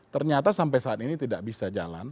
ternyata sampai saat ini tidak bisa jalan